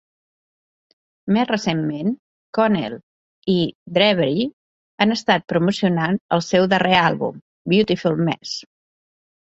Més recentment, Connell i Drewery han estat promocionant el seu darrer àlbum, "Beautiful Mess".